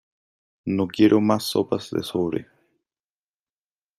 No quiero más sopas de sobre.